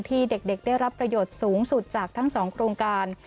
ที่เด็กได้รับประโยชน์สูงสุดจากทั้ง๒โครงการ